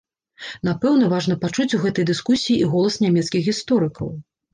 Напэўна, важна пачуць у гэтай дыскусіі і голас нямецкіх гісторыкаў.